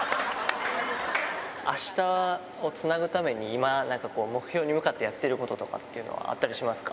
あしたをつなぐために今、目標に向かってやっていることとかってあったりしますか？